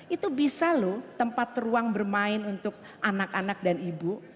itu bisa loh tempat ruang bermain untuk anak anak dan ibu